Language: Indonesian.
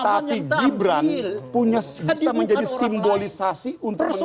tapi gibran bisa menjadi simbolisasi untuk menentukan